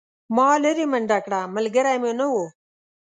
ما لیرې منډه کړه ملګری مې نه و.